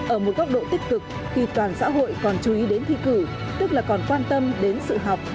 ở một góc độ tích cực khi toàn xã hội còn chú ý đến thi cử tức là còn quan tâm đến sự học